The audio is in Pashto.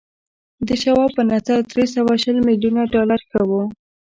د شواب په نظر درې سوه شل ميليونه ډالر ښه و